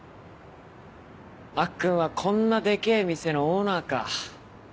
アッくんはこんなでけえ店のオーナーか。